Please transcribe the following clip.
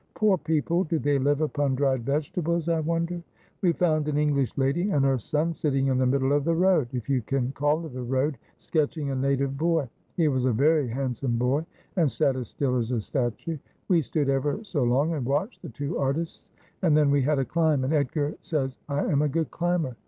Poor people, do they live upon dried vegetables, I wonder ? We found an English lady and her son sitting in the middle of the road — if you can call it a road — sketching a native boy. He was a very handsome boy, and sat as still as a statue. We stood ever so long and watched the two artists ; and then we had a climb ; and Edgar says I am a good climber.